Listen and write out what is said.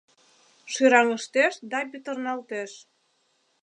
Шӱраҥыштеш да пӱтырналтеш.